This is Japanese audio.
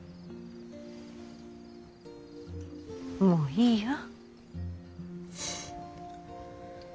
もういいよ。